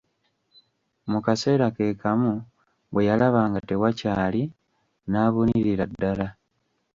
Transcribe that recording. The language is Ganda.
Mu kaseera ke kamu bwe yalaba nga tewakyali, n'abunirira ddala.